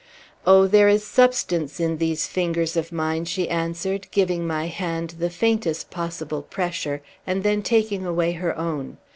"Oh, there is substance in these fingers of mine," she answered, giving my hand the faintest possible pressure, and then taking away her own.